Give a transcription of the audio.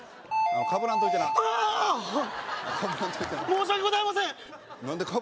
申し訳ございません！